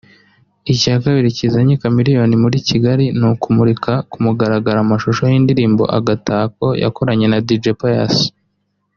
Icya kabiri kizanye Chameleone muri Kigali ni ukumurika ku mugaragaro amashusho y’indirimbo “Agatako” yakoranye na Dj Pius